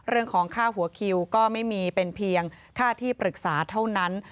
เรื่องของค่าหัวคิวก็ไม่มีเป็นเพียงค่าที่ปรึกษาเท่านั้น